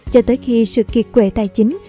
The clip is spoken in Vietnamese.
cho tới khi sự kiệt quệ tài chính